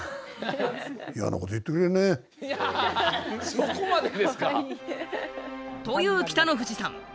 そこまでですか？と言う北の富士さん。